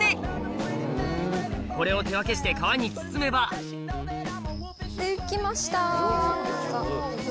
これを手分けして皮に包めば出来ました！